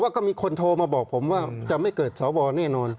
ก็มีคนโทรมาบอกผมว่าจะไม่เกิดสวแน่นอน